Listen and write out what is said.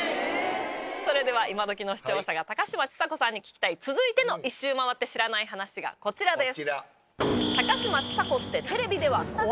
それでは今どきの視聴者が高嶋ちさ子さんに聞きたい続いての１周回って知らない話がこちらです。